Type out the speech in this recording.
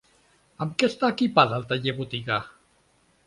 Amb què està equipada el taller-botiga?